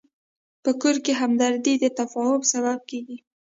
په کور کې همدردي د تفاهم سبب کېږي.